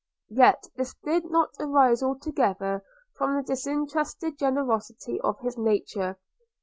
Yet this did not arise altogether from the disinterested generosity of his nature.